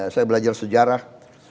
saya belajar sejarah